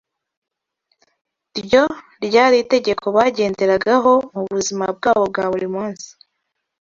ryo ryari itegeko bagenderagaho mu buzima bwabo bwa buri munsi.